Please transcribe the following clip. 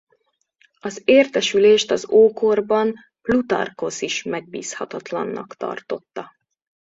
Az értesülést az ókorban Plutarkhosz is megbízhatatlannak tartotta.